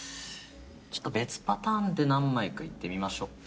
ちょっと別パターンで何枚かいってみましょっか。